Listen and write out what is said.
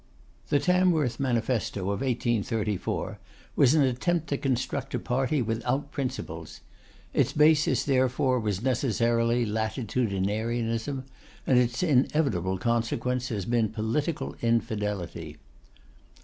The Tamworth Manifesto of 1834 was an attempt to construct a party without principles; its basis therefore was necessarily Latitudinarianism; and its inevitable consequence has been Political Infidelity.